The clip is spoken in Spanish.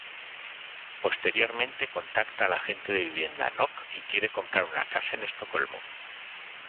Posteriormente contacta al agente de vivienda Knock y quiere comprar una casa en Estocolmo.